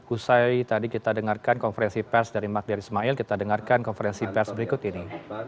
usai tadi kita dengarkan konferensi pers dari magdir ismail kita dengarkan konferensi pers berikut ini